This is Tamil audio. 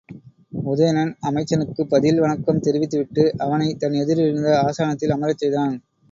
உதயணன் அமைச்சனுக்குப் பதில் வணக்கம் தெரிவித்துவிட்டு அவனைத் தன் எதிரிலிருந்த ஆசனத்தில் அமரச் செய்தான்.